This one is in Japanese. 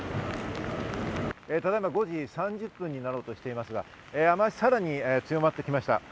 ただいま５時３０分になろうとしていますが、雨脚、さらに強まってきました。